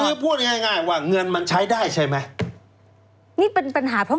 คือพูดง่ายง่ายว่าเงินมันใช้ได้ใช่ไหมนี่เป็นปัญหาเพราะ